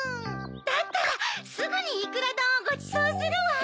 だったらすぐにいくらどんをごちそうするわ！